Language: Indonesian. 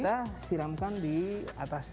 kita siramkan di atasnya